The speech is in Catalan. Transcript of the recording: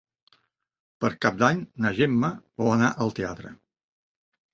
Per Cap d'Any na Gemma vol anar al teatre.